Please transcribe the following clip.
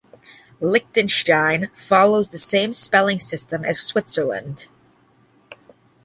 Liechtenstein follows the same spelling system as Switzerland.